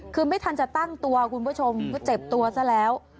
คือไม่ทันจะตั้งตัวคุณผู้ชมก็เจ็บตัวซะแล้ว